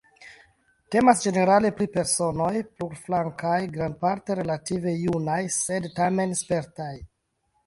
Temas ĝenerale pri personoj plurflankaj, grandparte relative junaj sed tamen spertaj.